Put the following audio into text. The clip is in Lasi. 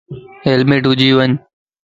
ھيلمٽ وجي وڃ